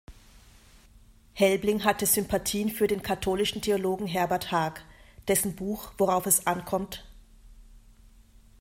Helbling hatte Sympathien für den katholischen Theologen Herbert Haag, dessen Buch "Worauf es ankommt.